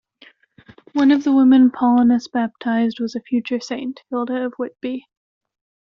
One of the women Paulinus baptised was a future saint, Hilda of Whitby.